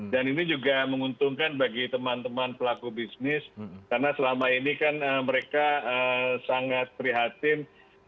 dan ini juga menguntungkan bagi teman teman pelaku bisnis karena selama ini kan mereka sangat prihatin